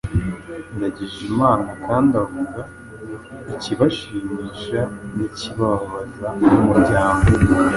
Ndagijimana kandi avuga ikibashimisha n’ikibababaza nk’umuryango